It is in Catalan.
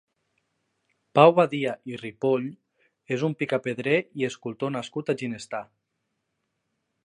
Pau Badia i Ripoll és un picapedrer i escultor nascut a Ginestar.